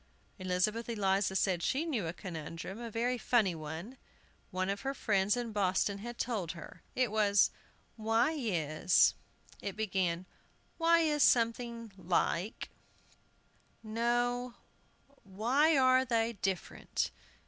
Elizabeth Eliza said she knew a conundrum, a very funny one, one of her friends in Boston had told her. It was, "Why is " It began, "Why is something like no, Why are they different?"